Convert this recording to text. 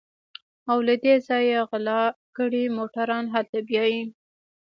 او له دې ځايه غلا کړي موټران هلته بيايي.